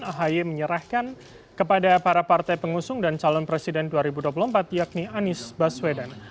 ahy menyerahkan kepada para partai pengusung dan calon presiden dua ribu dua puluh empat yakni anies baswedan